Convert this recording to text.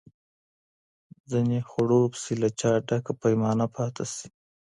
ځیني خړوب سي له چا ډکه پیمانه پاته سي